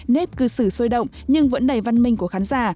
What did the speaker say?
nếp cư sử sôi động nhưng vẫn đầy văn minh của khán giả